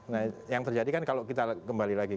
nah yang terjadi kan kalau kita kembali lagi